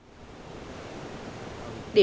tư hưởng nông nghiệp